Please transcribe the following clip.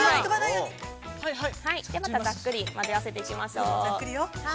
また、ざっくり混ぜ合わせていきましょう。